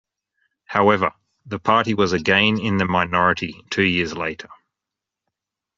However, the party was again in the minority two years later.